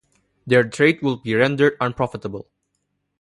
Their trade would be rendered unprofitable.